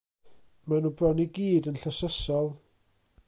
Maen nhw bron i gyd yn llysysol.